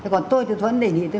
còn tôi thì tôi vẫn đề nghị